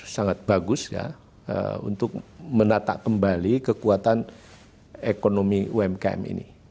sangat bagus ya untuk menata kembali kekuatan ekonomi umkm ini